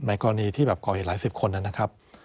กรณีที่แบบก่อเหตุหลายสิบคนนะครับ